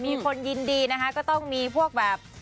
มีคนยินดีนะคะก็ต้องมีพวกแบบ